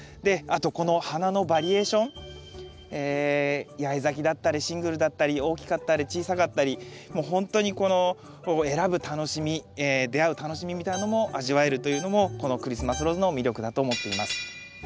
あとこの花のバリエーション八重咲きだったりシングルだったり大きかったり小さかったりもうほんとにこの選ぶ楽しみ出会う楽しみみたいなのも味わえるというのもこのクリスマスローズの魅力だと思っています。